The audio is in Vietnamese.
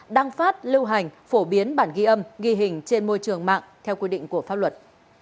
đăng phát lưu hành phổ biến bản ghi âm ghi hình trên môi trường mạng theo quy định của pháp luật